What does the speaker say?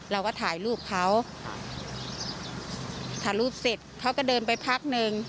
เราก็ถ่ายรูปเขาถ่ายรูปเสร็จเขาก็เดินไปพักหนึ่ง